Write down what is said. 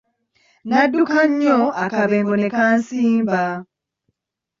Nadduka nnyo akabengo ne kansimba.